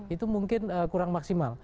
itu mungkin kurang maksimal